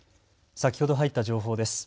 先ほど入った情報です。